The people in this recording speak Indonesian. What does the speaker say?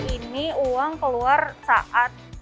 ini uang keluar saat